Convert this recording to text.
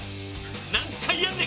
何回やんねん？